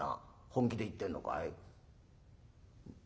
「本気で言ってんのかい？」。